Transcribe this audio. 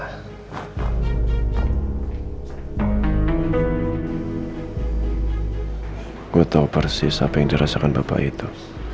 aku tahu persis apa yang dirasakan bapak itu